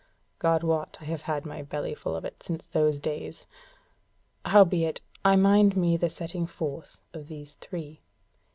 God wot I have had my bellyful of it since those days! Howbeit I mind me the setting forth of these three.